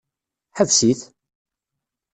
Ḥbes-it!